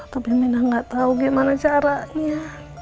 tapi minah nggak tahu gimana caranya